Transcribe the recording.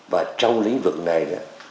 và trong lý vực này